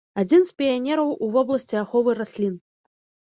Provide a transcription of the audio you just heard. Адзін з піянераў у вобласці аховы раслін.